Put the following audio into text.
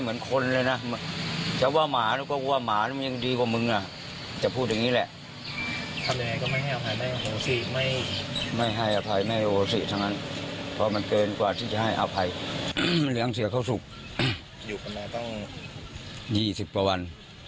เหลืองเสือกเข้าสุข๒๐ประวัน